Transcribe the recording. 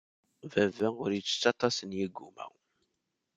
Baba ur ittett aṭas n yigumma.